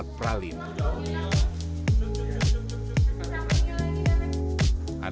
anak anak bisa berkreasi anehnya warna dan juga isian coklat pralin